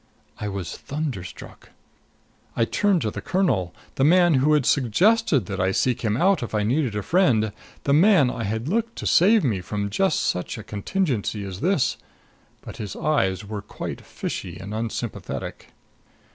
I was thunderstruck. I turned to the colonel, the man who had suggested that I seek him out if I needed a friend the man I had looked to to save me from just such a contingency as this. But his eyes were quite fishy and unsympathetic.